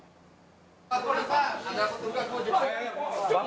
ada petugas mau jepang